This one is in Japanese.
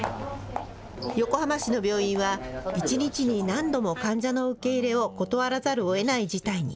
横浜市の病院は、１日に何度も患者の受け入れを断らざるをえない事態に。